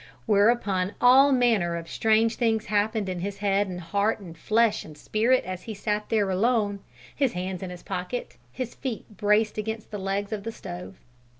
Whereupon all manner of strange things happened in his head and heart and flesh and spirit as he sat there alone, his hands in his pockets, his feet braced against the legs of the stove.